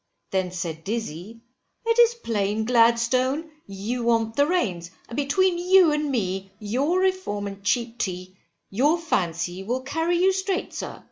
Then said Dizzy it is plain, Gladstone, you want the reins, and between you and me, your Reform and cheap tea, you fancy will carry you straight, sir.